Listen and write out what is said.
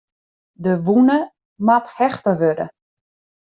De wûne moat hechte wurde.